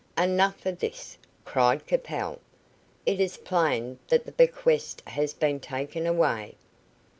"Enough of this," cried Capel. "It is plain that the bequest has been taken away.